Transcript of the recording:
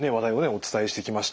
お伝えしてきました。